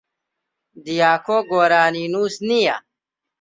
دیاکۆ گۆرانینووس نییە.